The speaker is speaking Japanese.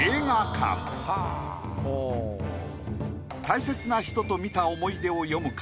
大切な人と見た思い出を詠むか？